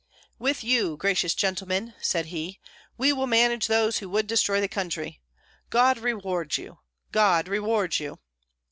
"With you, gracious gentlemen!" said he, "we will manage those who would destroy the country. God reward you! God reward you!"